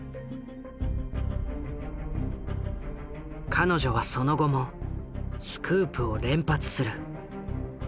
彼女はその後もスクープを連発する。